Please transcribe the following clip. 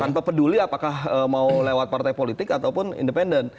tanpa peduli apakah mau lewat partai politik ataupun independen